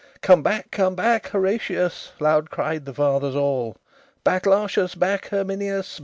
"Come back, come back, Horatius!" Loud cried the Fathers all. "Back, Lartius! back, Herminius!